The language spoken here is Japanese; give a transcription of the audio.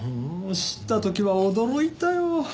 もう知った時は驚いたよ。